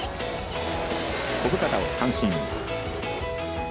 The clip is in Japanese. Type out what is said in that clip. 小深田を三振。